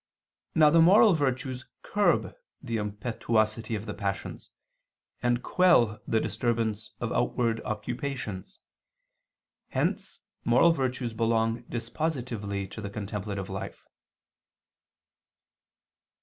Now the moral virtues curb the impetuosity of the passions, and quell the disturbance of outward occupations. Hence moral virtues belong dispositively to the contemplative life.